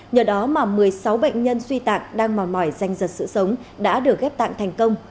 nhờ đó mà một mươi sáu bệnh nhân suy tạng đang mò mỏi giành giật sự sống đã được ghép tạng thành công